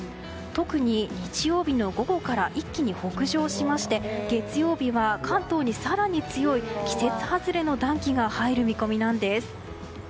特に日曜日の午後から一気に北上しまして月曜日は関東に更に強い季節外れの暖気が入る見込みなんです。